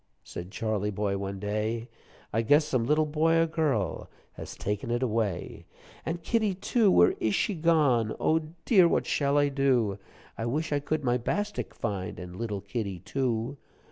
Said Charley boy one day; "I guess some little boy or girl Has taken it away. "An' kittie, too where ish she gone? Oh, dear, what I shall do? I wish I could my bastik find, An' little kittie, too.